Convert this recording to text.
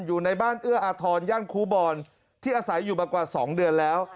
อยู่ในบ้านเอื้ออาทรย่านครูบอลที่อาศัยอยู่มากว่า๒เดือนแล้ว